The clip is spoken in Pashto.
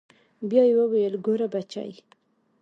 بيا يې وويل ګوره بچى.